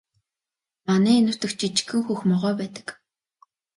Манай энэ нутагт жижигхэн хөх могой байдаг юм.